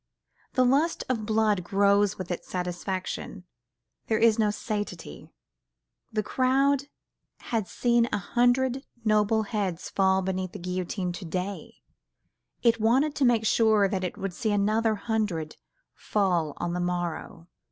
The lust of blood grows with its satisfaction, there is no satiety: the crowd had seen a hundred noble heads fall beneath the guillotine to day, it wanted to make sure that it would see another hundred fall on the morrow.